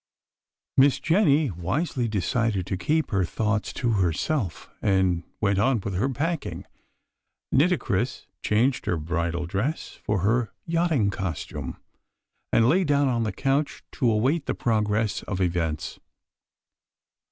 Miss Jenny wisely decided to keep her thoughts to herself, and went on with her packing. Nitocris changed her bridal dress for her yachting costume, and lay down on the couch to await the progress of events.